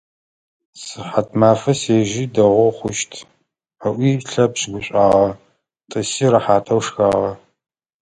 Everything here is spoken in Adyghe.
Сыхьатмафэ сежьи, дэгъоу хъущт, - ыӏуи Лъэпшъ гушӏуагъэ, тӏыси рэхьатэу шхагъэ.